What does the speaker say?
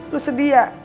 lo sedih ya